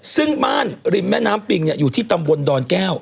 ซึ่งบ้านริมแม่น้ำปิงอยู่ที่ตำบลดอนแก้ว